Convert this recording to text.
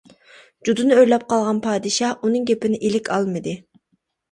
جۇدۇنى ئۆرلەپ قالغان پادىشاھ ئۇنىڭ گېپىنى ئىلىك ئالمىدى.